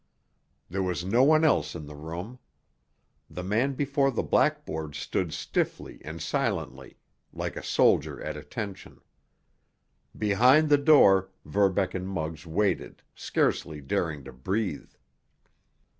There was no one else in the room. The man before the blackboard stood stiffly and silently, like a soldier at attention. Behind the door, Verbeck and Muggs waited, scarcely daring to breathe.